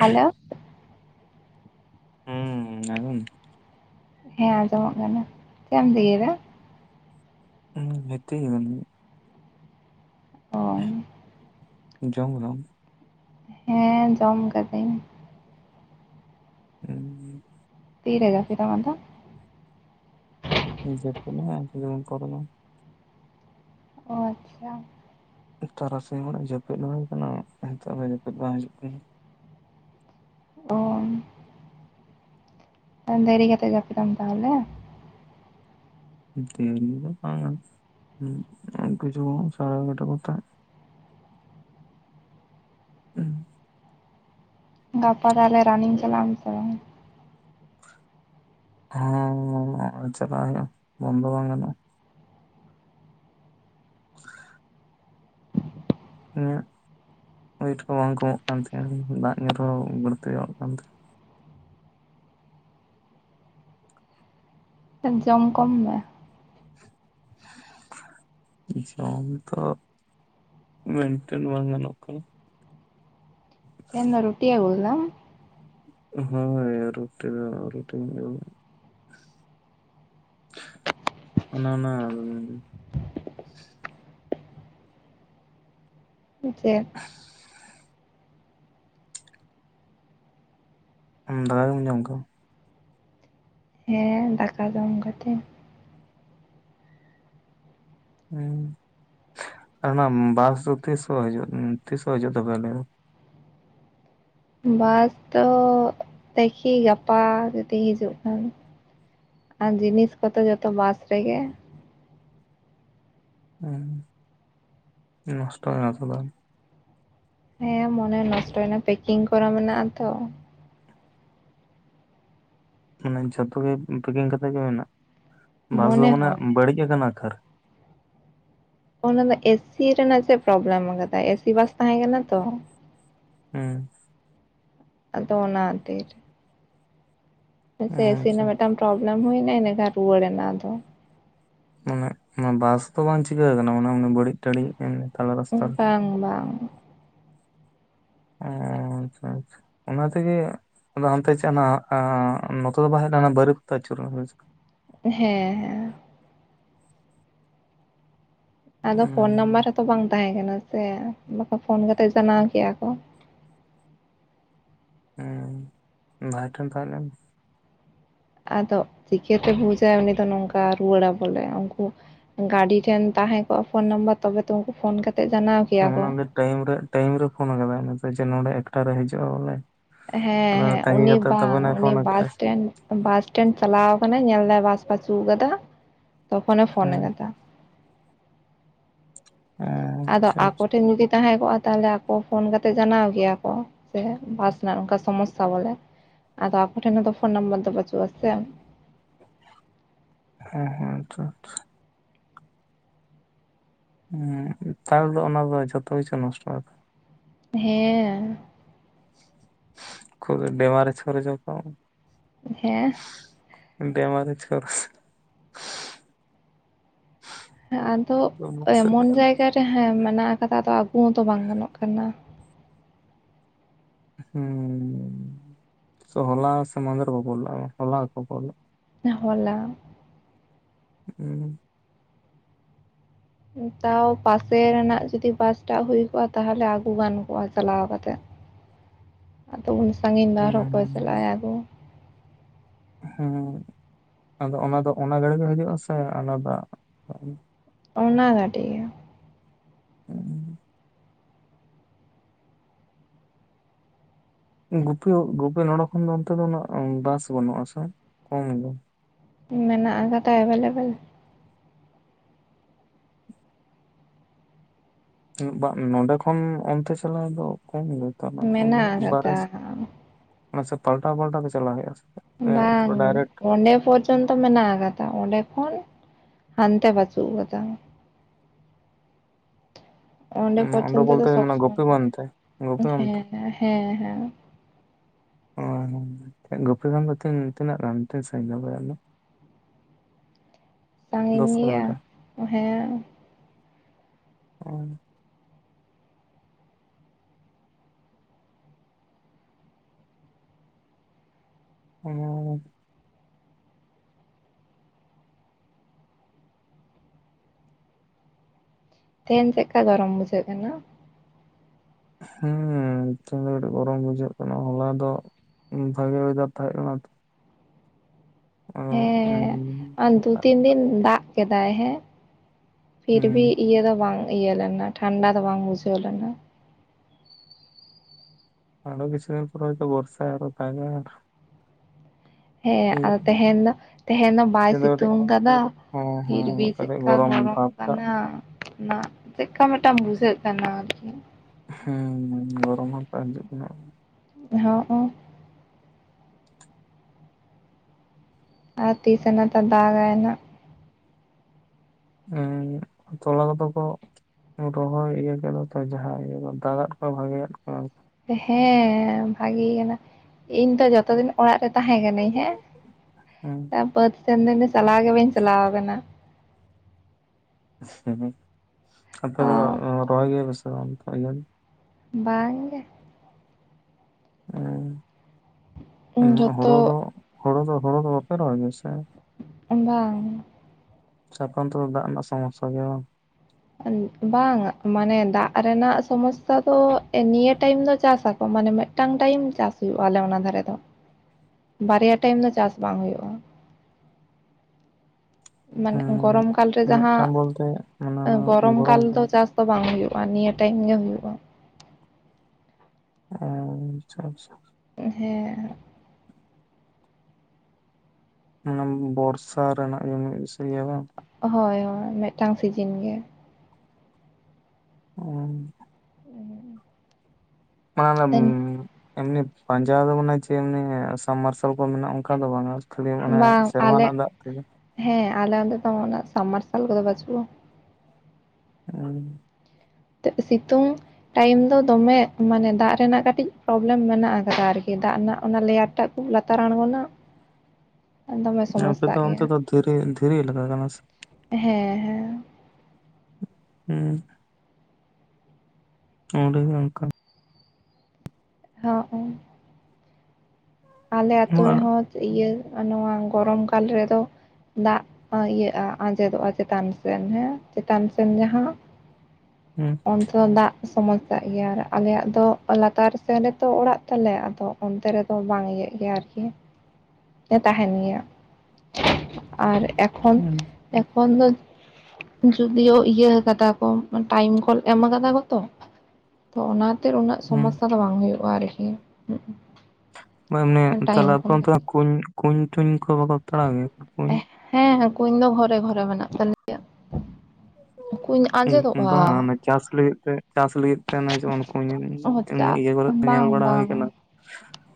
Hello ᱦᱩᱸ ᱟᱫᱚ [unintelligible] ᱦᱮᱸ ᱟᱸᱡᱚᱢᱚᱜ ᱠᱟᱱᱟ ᱪᱮᱫ ᱮᱢ ᱞᱟᱭ ᱮᱫᱟ ᱦᱩᱸ ᱢᱤᱛᱤᱱ ᱚ ᱡᱚᱢ ᱫᱟᱢ ᱟᱢ ᱦᱮᱸ ᱡᱚᱢ ᱠᱟᱹᱫᱟᱹᱧ ᱦᱮᱸ [unintelligible] ᱛᱤᱨᱮ ᱜᱟᱯ ᱢᱟᱫᱚ ᱨᱤᱡᱮᱴ ᱛᱟᱞᱟᱝᱟ ᱛᱤᱱᱟᱜ ᱮᱢ ᱠᱚᱞ ᱮᱫᱟ ᱚ ᱟᱪᱪᱷᱟ ᱛᱟᱨᱟᱥᱤᱧ ᱩᱱᱚᱜ ᱡᱟᱹᱯᱤᱫ ᱦᱩᱭ ᱠᱟᱱᱟ ᱱᱤᱛᱚᱜ ᱫᱚ ᱡᱟᱹᱯᱤᱫ ᱵᱟᱝ ᱦᱤᱡᱩᱜ ᱠᱟᱱᱟ ᱛᱚ ᱫᱮᱨᱤ ᱠᱟᱛᱮ ᱡᱟᱹᱯᱤᱫᱟᱢ ᱛᱟᱦᱚᱞᱮ [unintelligible] [unintelligible] ᱦᱩᱸ ᱜᱟᱯᱟ ᱛᱟᱦᱞᱮ ᱨᱟᱱᱤᱝ ᱪᱟᱞᱟᱜᱟᱢ ᱥᱮ ᱵᱟᱝ ᱦᱚᱸ ᱪᱟᱞᱟ ᱦᱩᱭᱩᱜ ᱟ ᱵᱚᱱᱫᱚ ᱵᱟᱝᱜᱟᱱᱟᱜ-ᱟ [inaudible] ᱤᱧᱟᱹᱜ ᱚᱭᱮᱴ ᱠᱚ ᱵᱟᱝ ᱠᱚᱢᱚᱜ ᱠᱟᱱ ᱛᱤᱧᱟᱹ ᱫᱟᱜ ᱧᱩᱨᱦᱚᱸ ᱵᱟᱹᱲᱛᱤᱚᱜ ᱠᱟᱱ ᱛᱮᱹ ᱡᱚᱢ ᱠᱚᱢ ᱢᱮ ᱡᱚᱢ ᱫᱚ ᱢᱮᱱᱴᱮᱱ ᱵᱟᱝ ᱜᱟᱱᱚᱜ ᱠᱟᱱᱟ ᱛᱮᱦᱮᱱ ᱫᱚ ᱨᱩᱴᱤ ᱟᱹᱜᱩ ᱭᱞᱟᱝ ᱦᱳᱭ ᱨᱩᱴᱤ ᱫᱚ ᱨᱩᱴᱤ ᱚᱱᱟᱱᱟ ᱡᱮ ᱟᱢ ᱫᱟᱫᱟ ᱜᱮᱢ ᱡᱚᱢ ᱟᱠᱟᱣᱟ ᱦᱮᱸ ᱫᱟᱠᱟ ᱫᱚᱢ ᱠᱟᱛᱮ ᱦᱮᱸ ᱟᱨ ᱚᱱᱟ ᱵᱟᱥ ᱫᱚ ᱛᱤᱥ ᱦᱚᱸ ᱦᱤᱡᱩᱜ ᱛᱤᱥ ᱦᱚᱸ ᱦᱤᱡᱩᱜ ᱛᱚᱵᱮ ᱟᱞᱮᱭᱟᱜ ᱵᱟᱥ ᱫᱚ ᱛᱮᱠᱷᱤ ᱜᱟᱯᱟ ᱡᱩᱫᱤ ᱦᱤᱡᱩᱜ ᱠᱷᱟᱱ ᱟᱨ ᱡᱤᱱᱤᱥ ᱠᱚᱫᱚ ᱡᱚᱛᱚ ᱵᱟᱥ ᱨᱮᱜᱮ ᱱᱚᱥᱴᱚᱭᱮᱱᱟᱢ ᱥᱮ ᱵᱟᱝ ᱦᱮᱸ ᱢᱚᱱᱮ ᱱᱚᱥᱴᱚᱭᱮᱱᱟ ᱯᱮᱠᱤᱝ ᱠᱚᱨᱟᱣ ᱢᱮᱱᱟᱜ-ᱟ ᱛᱚ ᱢᱟᱱᱮ ᱡᱷᱚᱛᱚ ᱜᱮ ᱯᱮᱠᱤᱝ ᱠᱟᱛᱮᱜ ᱜᱮ ᱢᱮᱱᱟᱜ ᱵᱟᱥ ᱫᱚ ᱢᱚᱱᱮ ᱢᱟᱱᱮ ᱦᱚᱸ ᱵᱟᱹᱲᱤᱡ ᱟᱠᱟᱱᱟ ᱟᱠᱟᱨ ᱚᱱᱟ ᱫᱚ ᱮᱥᱤ ᱨᱮᱱᱟᱜ ᱪᱮᱫ ᱯᱨᱚᱵᱞᱮᱢ ᱟᱠᱟᱫᱟ ᱮᱥᱤ ᱵᱟᱥ ᱛᱟᱦᱮᱸ ᱠᱟᱱᱟ ᱛᱚ ᱦᱮᱸ ᱟᱫᱚ ᱚᱱᱟ ᱠᱷᱟᱛᱤᱨ ᱮᱥᱤ ᱟᱪᱪᱷᱟ ᱨᱮᱱᱟᱜ ᱢᱤᱫᱴᱟᱝ ᱯᱨᱚᱵᱞᱮᱢ ᱦᱩᱭᱱᱟ ᱤᱱᱟᱹᱠᱷᱟᱱ ᱨᱩᱣᱟᱹᱲ ᱮᱱᱟ ᱟᱫᱚ ᱢᱟᱱᱮ ᱚᱱᱟ ᱵᱟᱥ ᱫᱚ ᱵᱟᱝ ᱪᱤᱠᱟᱹ ᱟᱠᱟᱱᱟ ᱢᱟᱱᱮ ᱵᱟᱹᱲᱤᱡ ᱛᱟᱲᱤᱡ ᱾ ᱵᱟᱝ ᱵᱟᱝ ᱚ ᱟᱪᱪᱷᱟ ᱟᱪᱪᱷᱟ ᱚᱱᱟ ᱛᱮᱜᱮ ᱟᱫᱚ ᱦᱟᱱᱛᱮ ᱪᱮᱫ ᱱᱚᱛᱮ ᱫᱚ ᱵᱟᱭ ᱦᱮᱡ ᱞᱮ ᱵᱟᱨ ᱠᱚᱛᱮ ᱟᱹᱪᱩᱨᱱᱟ ᱦᱮᱸ ᱦᱮᱸ ᱟᱫᱚ ᱯᱷᱳᱱ ᱱᱟᱢᱵᱟᱨ ᱦᱩᱸ ᱨᱮᱛᱚ ᱵᱟᱝ ᱛᱟᱦᱮᱸ ᱠᱟᱱᱟ ᱥᱮ ᱵᱟᱠᱟᱱ ᱯᱷᱳᱱ ᱠᱟᱛᱮᱫ ᱡᱟᱱᱟᱣ ᱠᱮᱭᱟ ᱠᱚ ᱦᱸ ᱵᱷᱟᱭ ᱴᱮᱱ ᱛᱟᱦᱮᱞᱮᱱ ᱟᱫᱚ ᱪᱤᱠᱟᱹᱛᱮ ᱵᱩᱡᱟᱭ ᱩᱱᱤ ᱫᱚ ᱱᱚᱝᱠᱟ ᱨᱩᱣᱟᱹᱲᱟ ᱵᱚᱞᱮ ᱩᱱᱠᱩ ᱜᱟᱹᱰᱤ ᱴᱷᱮᱱ ᱛᱟᱦᱮᱸ ᱠᱚᱜ-ᱟ ᱯᱷᱳᱱ ᱱᱟᱢᱵᱟᱨ ᱛᱚᱵᱮ ᱛᱚ ᱩᱱᱠᱩ ᱯᱷᱳᱱ ᱠᱟᱛᱮᱫ ᱡᱟᱱᱟᱣ ᱟᱠᱚᱣᱟᱭ ᱚᱱᱟ ᱫᱚ ᱴᱟᱭᱤᱢ ᱨᱮ ᱴᱟᱭᱤᱢ ᱨᱮ ᱯᱷᱳᱱ ᱟᱠᱟᱫᱟᱭ ᱚᱱᱟᱛᱮ ᱱᱚᱸᱰᱮ ᱮᱠᱴᱟ ᱨᱮ ᱦᱤᱡᱩᱜ-ᱟ ᱵᱚᱞᱮ ᱾ ᱦᱮᱸ ᱦᱮᱸ ᱩᱱᱤ ᱵᱟᱝ ᱩᱱᱤ ᱯᱷᱳᱱ ᱠᱟᱜᱼᱟ ᱥᱮ ᱵᱟᱥᱴᱮᱱ ᱵᱟᱥ ᱥᱴᱮᱱ ᱪᱟᱞᱟᱣ ᱠᱟᱱᱟᱭ ᱧᱮᱞᱫᱟᱭ ᱵᱟᱥ ᱵᱟᱪᱩᱜ ᱟᱠᱟᱫᱟ ᱛᱚᱠᱷᱚᱱᱮ ᱯᱷᱳᱱ ᱦᱮᱸ ᱟᱠᱟᱫᱟ ᱦᱮᱸ ᱟᱫᱚ ᱟᱪᱪᱷᱟ ᱟᱠᱚ ᱟᱪᱪᱷᱟ ᱴᱷᱮᱱ ᱡᱩᱫᱤ ᱛᱟᱦᱮᱸ ᱠᱚᱜ-ᱟ ᱛᱟᱦᱚᱞᱮ ᱠᱚ ᱯᱷᱳᱱ ᱠᱟᱛᱮ ᱡᱟᱱᱟᱣ ᱠᱮᱭᱟ ᱠᱚ ᱥᱮ ᱵᱟᱥ ᱨᱮᱱᱟᱜ ᱚᱱᱠᱟ ᱥᱚᱢᱚᱥᱥᱟ ᱵᱚᱞᱮ ᱟᱫᱚ ᱟᱠᱚ ᱴᱮᱱ ᱛᱚ ᱯᱷᱳᱱ ᱱᱟᱢᱵᱟᱨ ᱫᱚ ᱵᱟᱪᱩᱜ ᱟᱪᱮ ᱦᱩᱸ ᱦᱩᱸ ᱟᱪᱷᱟ ᱟᱪᱷᱟ ᱾ ᱦᱩᱸ ᱛᱟᱦᱚᱞᱮ ᱫᱚ ᱚᱱᱟ ᱫᱚ ᱡᱚᱛᱚ ᱠᱤᱪᱷᱩ ᱱᱚᱥᱴᱚᱜ -ᱟ ᱾ ᱦᱮᱸ ᱻ ᱾ ᱠᱷᱩᱵ ᱵᱮᱢᱟᱨᱮ ᱪᱚᱨ ᱠᱚ [unintelligible] ᱦᱮᱸᱻ ᱾ ᱵᱮᱢᱟᱨᱤᱪ ᱠᱚ ᱦᱮ ᱟᱫᱚ ᱦᱩᱸ ᱮᱢᱚᱱ ᱡᱟᱭᱜᱟ ᱨᱮ ᱦᱮᱸ ᱢᱮᱱᱟᱜ ᱟᱠᱟᱫᱟ ᱟᱫᱚ ᱟᱹᱜᱩ ᱦᱚᱸᱛᱚ ᱵᱟᱝ ᱜᱟᱱᱚᱜ ᱠᱟᱱᱟ ᱾ ᱦᱩᱸ ᱥᱮ ᱦᱚᱞᱟ ᱥᱮ ᱢᱟᱦᱫᱮᱨ ᱠᱚ ᱯᱳᱱᱞᱟ ᱦᱚᱞᱟ ᱠᱚ ᱠᱚᱞᱟᱝ - ᱟ ᱾ [unintelligible] ᱦᱚᱞᱟ ᱦᱮᱸ ᱛᱟᱣ ᱯᱟᱥᱮ ᱨᱮᱱᱟᱜ ᱡᱩᱚᱫᱤ ᱵᱟᱥᱴᱟᱜ ᱦᱩᱭ ᱠᱚᱜᱼᱟ ᱛᱟᱦᱚᱞᱮ ᱟᱹᱜᱩ ᱜᱟᱱ ᱠᱚᱜᱼᱟ ᱪᱟᱞᱟᱣ ᱠᱟᱛᱮᱜ ᱾ [inaudible] ᱟᱫᱚ ᱩᱱ ᱥᱟᱺᱜᱤᱧ ᱫᱚ ᱟᱨᱦᱚᱸ ᱦᱮᱸ ᱠᱚᱭ ᱪᱟᱞᱟᱜᱟᱭ ᱟᱫᱚ ᱾ ᱦᱚᱸ ᱟᱫᱚ ᱚᱱᱟ ᱫᱚ ᱚᱱᱟ ᱜᱟᱹᱲᱤ ᱜᱮ ᱦᱤᱡᱩᱜᱟ ᱥᱮ ᱟᱞᱟᱫᱟ ᱾ ᱚᱱᱟ ᱜᱟᱰᱤ ᱜᱮ ᱦᱩᱸ [inaudible] ᱜᱩᱯᱤ ᱜᱩᱯᱤ ᱱᱚᱰᱮ ᱠᱷᱚᱱ ᱫᱚ ᱚᱱᱛᱮ ᱫᱚ ᱩᱱᱟᱹᱜ ᱵᱟᱥ ᱵᱟᱱᱩᱜᱼᱟ ᱥᱮ ᱠᱚᱢ ᱜᱮ ᱢᱮᱱᱟᱜ ᱟᱠᱟᱫᱟ ᱮᱵᱮᱞᱮᱵᱮᱞ ᱱᱚᱸᱰᱮ ᱠᱷᱚᱱ ᱚᱱᱛᱮ ᱪᱟᱞᱟᱣ ᱫᱚ ᱠᱚᱢ ᱜᱮᱛᱚ ᱢᱮᱱᱟᱜ [unintelligible] ᱫᱚ ᱟᱠᱟᱫᱟ ᱵᱟᱨᱮᱥ [unintelligible] ᱢᱟᱥᱮ ᱯᱟᱞᱴᱟᱣ ᱯᱟᱞᱴᱟ ᱛᱮ ᱪᱟᱞᱟᱣ ᱦᱩᱭᱩᱜᱼᱟ ᱥᱮ ᱪᱮᱫ ᱥᱮ ᱯᱩᱨᱟᱹ ᱵᱟᱝ ᱰᱟᱭᱨᱮᱠᱴ ᱚᱸᱰᱮ ᱯᱚᱪ ᱯᱚᱨᱡᱚᱱᱛᱚ ᱢᱮᱱᱟᱜ ᱟᱠᱟᱫᱟ ᱚᱸᱰᱮ ᱠᱷᱚᱱ ᱦᱟᱱᱛᱮ ᱵᱟᱪᱩᱜ ᱟᱠᱟᱫᱟ ᱾ ᱚᱸᱰᱮ ᱯᱚᱡᱚᱱᱛᱚ ᱵᱚᱞᱛᱮ ᱥᱚᱵ ᱢᱟᱱᱮ ᱥᱚᱢᱚᱭ ᱜᱳᱯᱤᱵᱟᱸᱫᱷ ᱛᱮ ᱦᱮᱸ ᱜᱳᱯᱤᱵᱟᱸᱫᱷ ᱛᱮ ᱦᱮᱸ ᱦᱮᱸ ᱻ ᱾ ᱚ ᱜᱩᱯᱤ ᱠᱷᱚᱱ ᱫᱚ ᱛᱤᱱ ᱛᱤᱱᱟᱹᱜ ᱜᱟᱱ ᱛᱤᱱ ᱥᱟᱹᱜᱤᱧᱟ ᱾ [unintelligible] ᱫᱚᱥ ᱠᱤᱞᱳᱢᱤᱴᱟᱨ ᱚ ᱦᱮᱸ [unintelligible] [unintelligible] ᱛᱮᱦᱮᱧ ᱪᱮᱫᱠᱟ ᱜᱚᱨᱚᱢ ᱵᱩᱡᱷᱟᱹᱜ ᱠᱟᱱᱟ ᱾ ᱦᱮᱸ ᱛᱮᱦᱮᱧ ᱫᱚ ᱠᱟᱴᱤᱪ ᱜᱚᱨᱚᱢ ᱵᱩᱡᱷᱟᱹᱜ ᱠᱟᱱᱟ ᱦᱚᱞᱟ ᱫᱚ ᱵᱷᱟᱜᱮ ᱳᱭᱫᱟᱨ [unintelligible] ᱛᱟᱦᱮᱸ ᱠᱟᱱᱟ ᱛᱚ ᱚ, ᱩᱸ, ᱦᱮᱸ ᱟ ᱫᱩ ᱛᱤᱱ ᱫᱤᱱ ᱫᱟᱜ ᱠᱮᱫᱟᱭ ᱦᱮᱸ ᱯᱷᱤᱨ ᱵᱷᱤ ᱦᱩᱸ ᱤᱭᱟᱹ ᱫᱚ ᱵᱟᱝ ᱤᱭᱟᱹ ᱞᱮᱱᱟ ᱴᱷᱟᱱᱰᱟ ᱫᱚ ᱵᱟᱝ ᱵᱩᱡᱷᱟᱹᱣ ᱞᱮᱱᱟ ᱟᱨᱚ ᱠᱤᱪᱷᱩ ᱫᱤᱱ ᱯᱚᱨᱮ ᱫᱚ ᱵᱚᱨᱥᱟ [unintelligible] ᱦᱮᱸ ᱟᱫᱚ ᱛᱮᱦᱮᱧ ᱫᱚ ᱛᱮᱦᱮᱧ ᱫᱚ ᱵᱟᱭ ᱛᱮᱦᱮᱧ ᱠᱟᱹᱴᱤᱡ ᱥᱤᱛᱩᱝ ᱟᱠᱟᱫᱟ ᱾ ᱦᱚᱸ ᱯᱤᱨᱵᱤ ᱦᱚᱸ ᱠᱟᱹᱴᱤᱡ ᱪᱮᱫᱠᱟ ᱜᱚᱨᱚᱢ ᱵᱷᱟᱵᱽ ᱴᱟᱜ ᱠᱟᱱᱟ ᱚᱱᱟ ᱪᱮᱫᱠᱟ ᱢᱮᱫᱴᱟᱝ ᱵᱩᱡᱷᱟᱹᱜ ᱠᱟᱱᱟ ᱟᱨᱠᱤ ᱾ ᱦᱮᱸ ᱜᱚᱨᱚᱢ ᱠᱟᱜᱟ [unintelligible] ᱪᱮᱫᱠᱟ [inaudible] ᱟᱨ ᱛᱤᱥᱱᱟᱛᱟ ᱫᱟᱜ ᱟᱭᱱᱟᱜ ᱾ ᱦᱮᱸ ᱛᱚᱞᱟ ᱠᱚᱫᱚ ᱠᱚ ᱨᱚᱦᱚᱭ ᱤᱭᱟᱹ ᱠᱮᱫ ᱛᱚ ᱡᱟᱦᱟᱸ ᱤᱭᱟᱹ ᱫᱟᱜᱟᱫ ᱠᱚᱣᱟᱭ ᱵᱷᱟᱜᱮᱭᱟᱫ ᱠᱚᱣᱟᱭ᱾ ᱦᱮᱸ ᱵᱷᱟᱜᱮ ᱠᱟᱱᱟ᱾ ᱤᱧ ᱫᱚ ᱡᱚᱛᱚ ᱫᱤᱱ ᱚᱲᱟᱜ ᱨᱮ ᱛᱟᱦᱮᱸ ᱠᱟᱱᱤᱧ ᱦᱮᱸ᱾ ᱦᱩᱸ ᱮᱸ ᱵᱟᱹᱫ ᱥᱮᱱ ᱫᱚᱧ ᱫᱚ ᱪᱟᱞᱟᱣ ᱜᱮ ᱵᱟᱹᱧ ᱪᱟᱞᱟᱣ ᱟᱠᱟᱱᱟ᱾ [unintelligible] ᱟᱯᱮ ᱚ ᱫᱚ ᱨᱚᱦᱚᱭ ᱜᱮᱭᱟᱯᱮ ᱥᱮ ᱵᱟᱝ ᱤᱭᱟᱹ? ᱵᱟᱝ ᱜᱮ᱾ [unintelligible] ᱦᱳᱲᱳ ᱡᱚᱛᱚ ᱫᱚ ᱦᱳᱲᱳ ᱫᱚ ᱦᱳᱲᱳ ᱫᱚ ᱵᱟᱯᱮ ᱨᱚᱦᱚᱭ ᱜᱮᱭᱟ ᱥᱮ? ᱵᱟᱝ᱾ ᱥᱮᱸ ᱟᱯᱮ ᱚᱱᱛᱮ ᱫᱟᱜ ᱨᱮᱱᱟᱜ ᱥᱚᱢᱚᱥᱥᱟ ᱜᱮᱭᱟ ᱵᱟᱝ? ᱵᱟᱝ ᱢᱟᱱᱮ ᱫᱟᱜ ᱨᱮᱱᱟᱜ ᱥᱚᱢᱚᱥᱥᱟ ᱫᱚ, ᱱᱤᱭᱟᱹ ᱴᱟᱭᱤᱢ ᱫᱚ ᱪᱟᱥᱟᱠᱚ ᱢᱟᱱᱮ ᱢᱮ ᱴᱟᱝ ᱴᱟᱭᱤᱢ ᱪᱟᱥ ᱦᱩᱭᱩᱜᱼᱟ, ᱟᱞᱮ ᱚᱱᱟ ᱫᱷᱟᱨᱮ ᱫᱚ᱾ [inaudible] ᱵᱟᱨᱭᱟ ᱴᱟᱭᱤᱢ ᱫᱚ ᱪᱟᱥ ᱵᱟᱝ ᱦᱳᱭᱳᱜᱼᱟ᱾ ᱢᱟᱱᱮ ᱜᱚᱨᱚᱢ ᱠᱟᱞ ᱨᱮ ᱦᱮᱸ ᱡᱟᱦᱟᱸ, ᱢᱤᱫᱴᱟᱝ ᱵᱚᱞᱛᱮ ᱢᱟᱱᱮ ᱚᱱᱟ ᱜᱚᱨᱚᱢ ᱠᱟᱞ ᱠᱚ ᱫᱚ ᱪᱟᱥ ᱛᱚ ᱵᱟᱝ ᱦᱩᱭᱩᱜᱼᱟ, ᱱᱤᱭᱟᱹ ᱴᱟᱭᱤᱢ ᱜᱮ ᱦᱩᱭᱩᱜᱼᱟ᱾ ᱩᱸ ᱟᱪᱪᱷᱟ ᱟᱪᱪᱷᱟ ᱦᱮᱸ ᱚᱱᱟ ᱵᱚᱨᱥᱟ ᱨᱮᱱᱟᱜ [unintelligible] ᱵᱟᱝ? ᱦᱳᱭ ᱦᱳᱭ ᱢᱤᱫ ᱴᱟᱝ ᱥᱤᱡᱤᱱ ᱜᱮ᱾ ᱚ [unintelligible] ᱩᱸ [unintelligible] ᱮᱢᱱᱤ ᱯᱟᱸᱡᱟ ᱫᱚ ᱪᱮ ᱮᱢ ᱞᱟᱹᱭ ᱥᱟᱞ ᱢᱟᱨᱥᱟᱞ ᱠᱚ ᱢᱮᱱᱟᱜᱼᱟ ᱚᱱᱠᱟ ᱫᱚ ᱵᱟᱝ ᱟ᱾ ᱵᱟᱝ ᱟᱞᱮ ᱦᱮᱸ ᱟᱞᱮ ᱚᱱᱰᱮ ᱫᱚ ᱩᱱᱟᱹᱜ ᱥᱟᱞ ᱢᱟᱨᱥᱟᱞ ᱠᱚᱫᱚ ᱵᱟᱹᱪᱩᱜᱼᱟ᱾ ᱦᱩᱸ ᱛᱮᱫ ᱥᱤᱛᱩᱝ ᱴᱟᱭᱤᱢ ᱫᱚ ᱫᱚᱢᱮ ᱢᱟᱱᱮ ᱫᱟᱜ ᱨᱮᱱᱟᱜ ᱠᱟᱴᱤᱡ ᱯᱨᱚᱵᱞᱮᱢ ᱢᱮᱱᱟᱜ ᱠᱟᱫᱟ, ᱟᱨᱠᱤ ᱫᱟᱜ ᱨᱮᱱᱟᱜ ᱚᱱᱟ ᱞᱮᱭᱟᱨ ᱴᱟᱜ ᱞᱟᱛᱟᱨ ᱟᱸᱬᱜᱳᱱᱟ᱾ [inaudible] ᱟᱯᱮ ᱫᱚ ᱚᱱᱛᱮ ᱜᱮᱭᱟ ᱫᱚ ᱫᱷᱤᱨᱤ-ᱫᱷᱤᱨᱤ ᱮᱞᱟᱠᱟ ᱠᱟᱱᱟ ᱥᱮ? ᱦᱮᱸ ᱦᱮᱸ ᱦᱩᱸ [unintelligible] [unintelligible] ᱟᱞᱮ ᱟᱹᱛᱳ ᱦᱩᱸ ᱨᱮᱦᱚᱸ ᱤᱭᱟᱹ ᱱᱚᱣᱟ ᱜᱚᱨᱚᱢ ᱠᱟᱞ ᱨᱮᱫᱚ ᱫᱟᱜ ᱤᱭᱟᱹᱜᱼᱟ ᱟᱸᱡᱮᱫᱚᱜᱼᱟ ᱪᱮᱛᱟᱱ ᱥᱮᱱ ᱦᱮᱸ ᱪᱮᱛᱟᱱ ᱥᱮᱱ ᱡᱟᱦᱟᱸ᱾ [unintelligible] ᱩᱱ ᱥᱚᱢᱚᱭ ᱫᱟᱜ ᱥᱚᱢᱚᱥᱟᱜ ᱜᱮᱭᱟ ᱾ ᱟᱨ ᱟᱞᱮᱭᱟᱜ ᱫᱚ ᱞᱟᱛᱟᱨ ᱥᱮᱱ ᱨᱮᱛᱚ ᱚᱲᱟᱜ ᱛᱟᱞᱮ ᱟᱫᱚ ᱚᱱᱛᱮ ᱨᱮᱫᱚ ᱵᱟᱝ ᱤᱭᱟᱹᱜ ᱜᱮᱭᱟ ᱟᱨᱠᱤ᱾ ᱛᱟᱦᱮᱱ ᱜᱮᱭᱟ, ᱟᱨ ᱮᱠᱷᱚᱱ ᱦᱩᱸ ᱮᱠᱷᱚᱱ ᱫᱚ ᱡᱩᱫᱤᱭᱳ ᱤᱭᱟᱹ ᱠᱟᱫᱟ ᱠᱚ, ᱴᱟᱭᱤᱢ ᱠᱚᱞ ᱮᱢ ᱠᱟᱫᱟ ᱠᱚ ᱛᱚ᱾ ᱛᱚ ᱚᱱᱟᱛᱮ ᱩᱱᱟᱹᱜ ᱦᱩᱸ ᱥᱚᱢᱚᱥᱟ ᱫᱚ ᱵᱟᱝ ᱦᱳᱭᱳᱜᱼᱟ ᱟᱨ ᱠᱤ᱾ [unintelligible] ᱟᱯᱮ ᱚᱱᱛᱮ ᱠᱩᱸᱧ ᱠᱩᱸᱧ ᱴᱩᱧ ᱠᱚ ᱵᱟᱠᱚ ᱛᱟᱲᱟᱣ ᱜᱮᱭᱟ ᱠᱩᱸᱧ? ᱦᱮᱸ ᱠᱩᱸᱧ ᱫᱚ ᱜᱷᱚᱨᱮ ᱜᱷᱚᱨᱮ ᱢᱮᱱᱟᱜ ᱛᱟᱞᱮᱭᱟ᱾ ᱠᱩᱧ ᱟᱸᱡᱮᱫᱚᱜᱼᱟ ᱵᱟᱝ ᱚᱱᱟ ᱪᱟᱥ ᱞᱟᱹᱜᱤᱫ ᱛᱮ᱾ ᱪᱟᱥ ᱞᱟᱹᱜᱤᱫ ᱛᱮ ᱚᱱᱮ ᱡᱮᱢᱚᱱ ᱠᱩᱸᱧ ᱪᱟ ᱤᱭᱟᱹ [unintelligible] ᱧᱮᱞ ᱵᱟᱝ ᱵᱟᱲᱟ ᱦᱳᱭ ᱵᱟᱝ ᱠᱟᱱᱟ᱾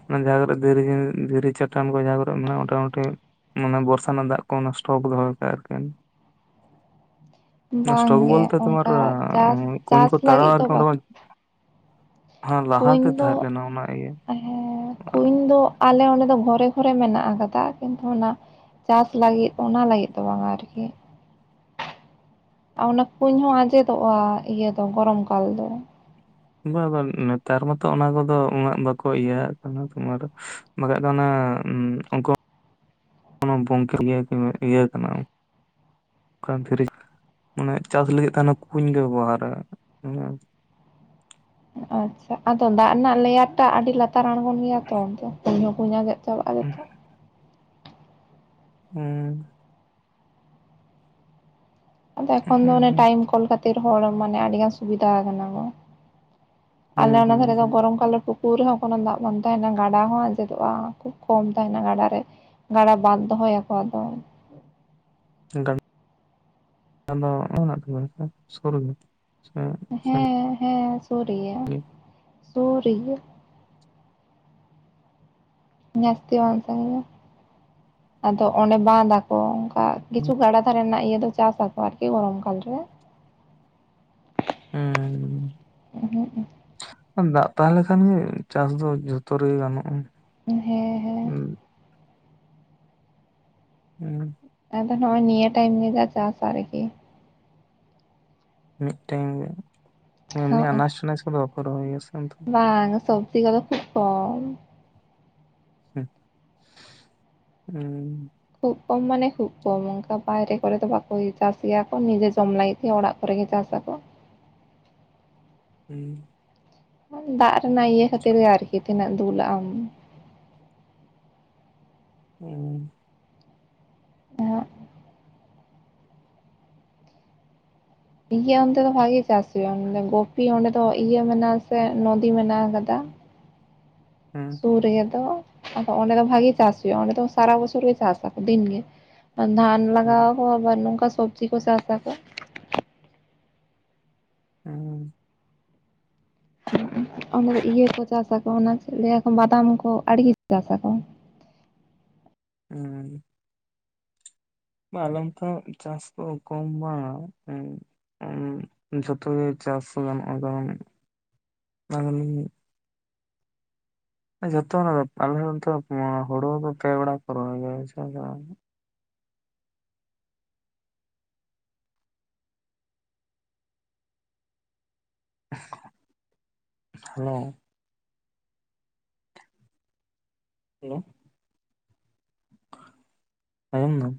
ᱚᱱᱟ ᱡᱟᱸᱦᱟ ᱠᱚᱨᱮ ᱫᱷᱤᱨᱤ ᱫᱷᱤᱨᱤ ᱪᱟᱴᱟᱱ ᱠᱚ ᱡᱟᱦᱟ ᱠᱚᱨᱮ ᱢᱮᱱᱟᱜᱼᱟ ᱢᱳᱴᱟ ᱢᱩᱴᱤ ᱢᱟᱱᱮ ᱵᱚᱨᱥᱟ ᱨᱮᱱᱟᱜ ᱫᱟᱜ ᱠᱚ ᱚᱱᱟ ᱥᱴᱚᱠ ᱫᱚᱦᱚ ᱠᱟᱜᱼᱟ ᱟᱨᱠᱤ᱾ ᱚᱱᱟ ᱥᱴᱚᱠ ᱵᱟᱝᱜᱮ ᱵᱚᱞᱛᱮ ᱛᱳᱢᱟᱨ ᱚᱱᱠᱟ ᱪᱟᱥ ᱠᱩᱸᱧ ᱪᱟᱥ ᱠᱚ ᱛᱟᱲᱟᱣᱟ ᱞᱟᱹᱜᱤᱫ ᱟᱨ ᱫᱚ ᱠᱤ ᱵᱟᱝ ᱞᱟᱦᱟ ᱠᱩᱧ ᱛᱮ ᱫᱚ ᱛᱟᱦᱮᱸᱫ ᱞᱮᱱᱟ ᱚᱱᱟ ᱤᱭᱟᱹ᱾ ᱦᱮᱸ ᱠᱩᱸᱧ ᱫᱚ ᱟᱞᱮ ᱚᱸᱰᱮ ᱫᱚ ᱵᱷᱚᱨᱮ ᱠᱚᱨᱮ ᱢᱮᱱᱟᱜ ᱟᱠᱟᱫᱟ ᱠᱤᱱᱛᱩ ᱚᱱᱟ ᱪᱟᱥ ᱞᱟᱹᱜᱤᱫ ᱚᱱᱟ ᱞᱟᱹᱜᱤᱫ ᱫᱚ ᱵᱟᱝ-ᱟ ᱟᱨᱠᱤ ᱚᱱᱟ ᱠᱩᱸᱧ ᱦᱚᱸ ᱟᱸᱡᱮᱫᱚᱜ-ᱟ ᱤᱭᱟᱹ ᱫᱚ ᱜᱚᱨᱚᱢ ᱠᱟᱞ ᱫᱚ ᱵᱟᱝ ᱵᱟᱝ ᱱᱮᱛᱟᱨ ᱢᱟᱛᱚ ᱚᱱᱟ ᱠᱚᱫᱚ ᱩᱱᱟᱹᱜ ᱵᱟᱠᱚ ᱤᱭᱟᱹ ᱟᱜ ᱠᱟᱱᱟ ᱛᱳᱢᱟᱨ ᱵᱟᱠᱷᱟᱡ ᱫᱚ ᱚᱱᱟ ᱩᱱᱠᱩ [unintelligible] ᱤᱭᱟᱹ ᱠᱟᱱᱟ ᱠᱟᱱ ᱫᱷᱤᱨᱤ ᱢᱟᱱᱮ ᱪᱟᱥ ᱞᱟᱹᱜᱤᱫ ᱦᱟᱱᱮ ᱠᱩᱸᱧ ᱠᱚ ᱵᱮᱵᱚᱦᱟᱨᱟ ᱟᱪᱪᱷᱟ ᱟᱫᱚ ᱫᱟᱜ ᱨᱮᱱᱟᱜ ᱞᱮᱭᱟᱨ ᱴᱟᱜ ᱟᱹᱰᱤ ᱞᱟ ᱛᱟᱨ ᱟᱲᱜᱳᱱ ᱜᱮᱭᱟ ᱛᱚ ᱠᱩᱸᱧ ᱦᱚᱸ ᱠᱩᱸᱧ ᱟᱸᱡᱮᱫ ᱪᱟᱵᱟᱜ-ᱟ ᱡᱚ [inaudible] ᱦᱩᱸ ᱟᱫᱚ ᱮᱠᱷᱚᱱ ᱫᱚ ᱴᱟᱭᱤᱢ ᱠᱚᱞ ᱠᱷᱟᱛᱤᱨ ᱦᱚᱲ ᱢᱟᱱᱮ ᱟᱹᱰᱤ ᱜᱟᱱ ᱥᱩᱵᱤᱫᱷᱟ ᱠᱟᱱᱟ ᱠᱚ ᱟᱞᱮ ᱚᱱᱟ ᱫᱷᱟᱨᱮ ᱫᱚ ᱜᱚᱨᱚᱢ ᱠᱟᱞ ᱠᱩ ᱯᱩᱨᱟᱹ ᱦᱚᱸ ᱠᱳᱱᱳ ᱫᱟᱜ ᱵᱟᱝ ᱛᱟᱦᱮᱱᱟ ᱜᱟᱰᱟ ᱦᱚᱸ ᱟᱸᱡᱮᱫᱚᱜ-ᱟ ᱠᱷᱩᱵ ᱠᱚᱢ ᱛᱟᱦᱮᱱᱟ ᱜᱟᱰᱟᱨ ᱨᱮ ᱜᱟᱰᱟ ᱵᱟᱫ ᱫᱚᱦᱚᱭᱟᱠᱚᱣᱟ ᱟᱫᱚ [unintelligible] ᱥᱩᱨ ᱨᱮᱜᱮ ᱦᱮᱸ ᱦᱮᱸ ᱥᱳᱨ ᱜᱮᱭᱟ ᱜᱮ ᱥᱳᱨ ᱜᱮᱭᱟ ᱡᱟᱹᱥᱛᱤ ᱵᱟᱝ ᱥᱟᱺᱜᱤᱧᱟ ᱟᱫᱚ ᱚᱸᱰᱮ ᱵᱟᱸᱱᱫᱷ ᱟᱠᱚ᱾ ᱠᱤᱪᱷᱩ ᱜᱟᱲᱟ ᱫᱷᱟᱨᱮ ᱨᱮᱱᱟᱜ ᱤᱭᱟᱹ ᱫᱚ ᱪᱟᱥᱟᱠᱚ ᱟᱨᱠᱤ ᱜᱚᱲᱚᱢ ᱠᱟᱞ ᱨᱮ ᱮᱻᱻ᱾ ᱮᱦᱩᱜ-ᱩ ᱫᱟᱜ ᱛᱟᱦᱮᱸ ᱞᱮᱠᱷᱟᱱ ᱜᱮ ᱪᱟᱥ ᱫᱚ ᱡᱷᱚᱛᱚ ᱨᱮᱜᱮ ᱜᱟᱱᱚᱜ-ᱟ᱾ ᱦᱮᱸ᱾ ᱦᱮᱸ [unintelligible] ᱦᱩᱸ᱾ ᱟᱫᱚ ᱱᱚᱜ-ᱚᱭ ᱱᱤᱭᱟᱹ ᱴᱟᱭᱤᱢ ᱜᱮ ᱡᱟ ᱪᱟᱥᱟ ᱟᱨᱠᱤ᱾ ᱢᱤᱫᱴᱮᱱ ᱜᱮ ᱮᱢᱱᱤ ᱟᱱᱟᱡ ᱱᱟᱪ ᱠᱚᱫᱚ ᱵᱟᱠᱚ ᱨᱚᱦᱚᱭᱟᱥᱮ ᱚᱱᱛ ᱦᱮ ᱥᱚᱵᱡᱤ ᱠᱚ ᱫᱚ ᱠᱷᱩᱵ ᱠᱚᱢ [unintelligible] ᱠᱷᱩᱵ ᱠᱚᱢ ᱢᱟᱱᱮ ᱠᱷᱩᱵ ᱠᱚᱢ ᱚᱱᱠᱟ ᱵᱟᱭᱨᱮ ᱠᱚᱨᱮ ᱫᱚ ᱵᱟᱠᱚ ᱪᱟᱥ ᱜᱮᱭᱟ ᱠᱚ ᱱᱤᱡᱮ ᱡᱚᱢ ᱞᱟᱹᱜᱤᱫ ᱜᱮ ᱚᱲᱟᱜ ᱠᱚᱨᱮ ᱜᱮ ᱪᱟᱥ ᱟᱠᱚ᱾ [unintelligible] ᱫᱟᱜ ᱨᱮᱱᱟᱜ ᱤᱭᱟᱹ ᱠᱷᱟᱹᱛᱤᱨ ᱜᱮ ᱟᱨᱠᱤ ᱛᱤᱱᱟᱹᱜ ᱫᱩᱞᱟᱜ ᱟᱢ᱾ ᱦᱩᱸ᱾ ᱦᱟᱸᱜ᱾ ᱤᱭᱟᱹ ᱚᱱᱛᱮ ᱫᱚ ᱵᱷᱟᱜᱮ ᱪᱟᱥ ᱦᱩᱭᱩᱜ-ᱟ ᱜᱩᱯᱤ ᱚᱸᱰᱮ ᱫᱚ ᱤᱭᱟᱹ ᱢᱮᱱᱟᱜ-ᱟᱥᱮ ᱱᱚᱫᱤ ᱢᱮᱱᱟᱜ ᱟᱠᱟᱫᱟ᱾ ᱦᱩᱸ ᱥᱩᱨ ᱨᱮ ᱫᱚ᱾ ᱟᱫᱚ ᱚᱸᱰᱮ ᱫᱚ ᱵᱷᱟᱜᱤ ᱪᱟᱥ ᱦᱩᱭᱩᱜ-ᱟ, ᱚᱸᱰᱮ ᱫᱚ ᱥᱟᱨᱟ ᱵᱚᱪᱷᱚᱨ ᱜᱮ ᱪᱟᱥ ᱫᱤᱱᱜᱮ ᱫᱷᱟᱱ ᱞᱟᱜᱟ ᱟᱠᱚ ᱟᱵᱟᱨ ᱱᱚᱝᱠᱟ ᱥᱚᱵᱽᱡᱤ ᱠᱚ ᱪᱟᱥᱟ᱾ ᱦᱩᱸ᱾ ᱚᱸᱰᱮ ᱫᱚ ᱤᱭᱟᱹ ᱠᱚ ᱪᱟᱥᱟ ᱠᱚ ᱚᱱᱟ ᱪᱮᱫ ᱞᱟᱹᱭᱟᱠᱚ ᱵᱟᱫᱟᱢ ᱠᱚ ᱟᱹᱰᱤᱜᱮ ᱪᱟᱥᱟ ᱠᱚ᱾ ᱦᱩᱸ᱾ ᱵᱟᱞᱚᱢ ᱴᱷᱚᱸᱜ ᱪᱟᱥ ᱠᱚ ᱠᱚᱢ ᱵᱟᱝ ᱡᱷᱚᱛᱚ ᱜᱮ ᱪᱟᱥ ᱜᱟᱱᱚᱜ-ᱟ ᱠᱟᱨᱚᱱ [unintelligible] ᱡᱚᱛᱚ ᱟᱞᱮ [unintelligible] ᱦᱩᱲᱩ ᱫᱚ ᱯᱮ ᱜᱟᱲᱟ ᱠᱚ ᱨᱚᱦᱚᱭ ᱜᱮᱭᱟ᱾ ᱦᱮᱞᱳ᱾ ᱦᱮᱞᱳ᱾ ᱟᱡᱚᱢ ᱫᱟᱢ?